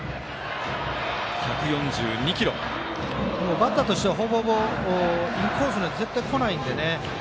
バッターとしてはほぼほぼ、インコースには絶対こないんでね。